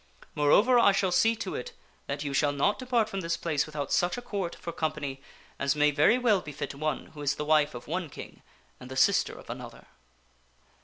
Moreover, I shall see to it that you shall not depart from this place without such a Court for company as may very well befit one who is the wife of one king and the sister of another."